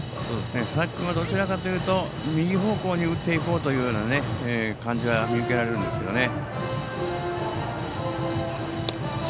佐々木君はどちらかというと右方向に打っていこうというような感じは見受けられるんですけどね。